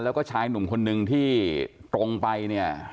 แล้วก็ชายหนุ่มคนนึงที่ตรงไปเนี่ย